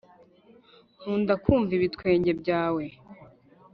nkunda kumva ibitwenge byawe